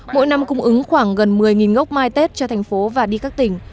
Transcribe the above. mỗi năm cung ứng khoảng gần một mươi gốc mai tết cho thành phố và đi các tỉnh